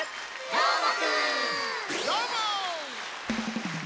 どーも！